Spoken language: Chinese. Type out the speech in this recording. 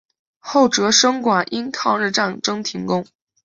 后哲生馆因抗日战争停工。